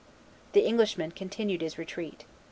The Englishman continued his retreat.